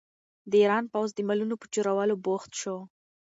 د ایران پوځ د مالونو په چورولو بوخت شو.